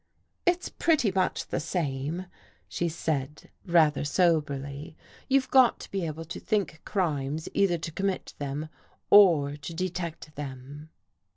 " It's pretty much the same," she said rather soberly. " You've got to be able to think crimes either to commit them or to detect them."